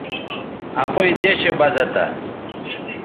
اپئیں دیشےبزہ تھہ